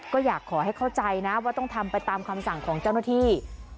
ก็อยากขอให้เข้าใจนะว่าต้องทำไปตามคำสั่งของเจ้าหน้าที่